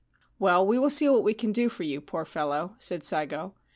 ' Well, we will see what we can do for you, poor fellow/ said Saigo.